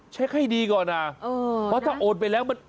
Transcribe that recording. ให้ดีก่อนนะเพราะถ้าโอนไปแล้ว